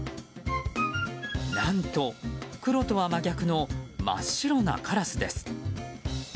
何と黒とは真逆の真っ白なカラスです。